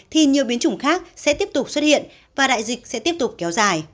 thì nhiều biến chủng khác sẽ tiếp tục xuất hiện và đại dịch sẽ tiếp tục kéo dài